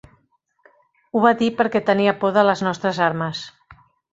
Ho va dir perquè tenia por de les nostres armes.